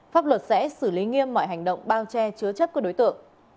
pháp luật sẽ xử lý nghiêm mọi hành động bao che chứa chấp các đối tượng